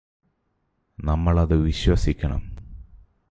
നമ്മളത് വിശ്വസിക്കണം